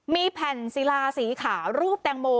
มีแผ่นศิลาสีขาวรูปแตงโม